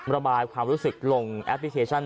ระบายความรู้สึกลงแอปพลิเคชัน